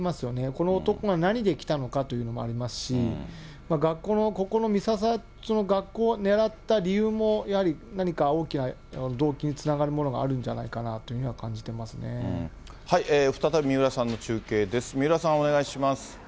この男が何で来たのかというのもありますし、学校のここのみささ町の学校を狙った理由もやはり、何か大きな動機につながるものがあるんじゃないかなというふうに再び三浦さんの中継です。